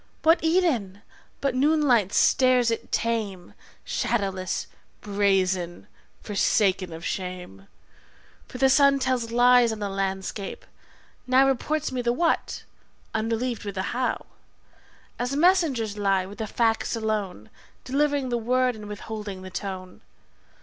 What Eden but noon light stares it tame, Shadowless, brazen, forsaken of shame? For the sun tells lies on the landscape, now Reports me the `what', unrelieved with the `how', As messengers lie, with the facts alone, Delivering the word and withholding the tone.